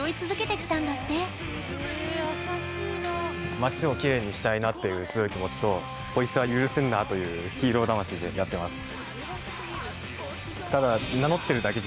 街をキレイにしたいなっていう強い気持ちとポイ捨ては許せんなぁというヒーロー魂でやってます。